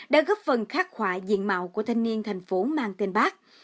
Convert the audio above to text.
đã góp phần khát khoại diện mạo của thanh niên thành phố mang tên bác